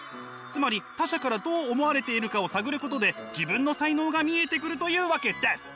つまり他者からどう思われているかを探ることで自分の才能が見えてくるというわけです。